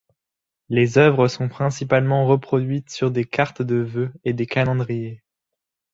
Les œuvres sont principalement reproduites sur des cartes de vœux et des calendriers.